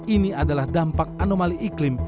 ini adalah dampak anomali iklim